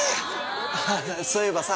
そういえばさ。